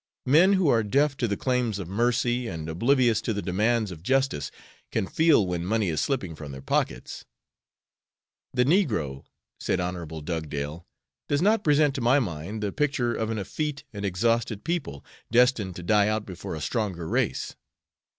Men who are deaf to the claims of mercy, and oblivious to the demands of justice, can feel when money is slipping from their pockets." "The negro," said Hon. Dugdale, "does not present to my mind the picture of an effete and exhausted people, destined to die out before a stronger race.